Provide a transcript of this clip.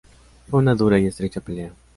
Fue una dura y estrecha pelea.